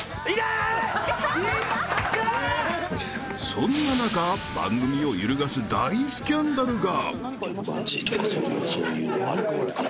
［そんな中番組を揺るがす大スキャンダルが］